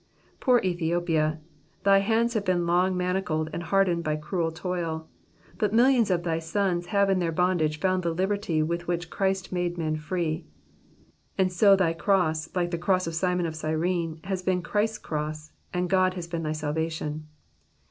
Poor Ethiopia, thy hands have been long manacled and hardened by cruel toil, but millions of thy sons have in thoir bondage found the liberty with which Christ made men free ; and so thy cross, like the cross of Simon of Cyrene, has been Christ's cross, and God has been thy salvation.